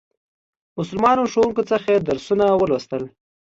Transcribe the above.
مسلمانو ښوونکو څخه یې درسونه ولوستل.